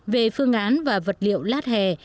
về phương án và vật liệu lát hè